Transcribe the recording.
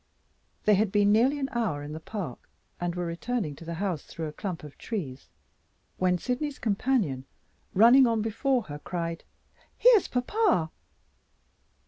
They had been nearly an hour in the park, and were returning to the house through a clump of trees, when Sydney's companion, running on before her, cried: "Here's papa!"